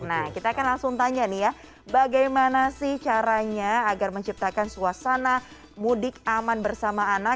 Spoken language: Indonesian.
nah kita akan langsung tanya nih ya bagaimana sih caranya agar menciptakan suasana mudik aman bersama anak